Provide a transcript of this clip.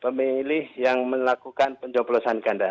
pemilih yang melakukan pencoplosan ganda